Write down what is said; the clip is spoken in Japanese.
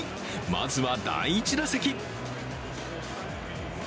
まずは第１打席。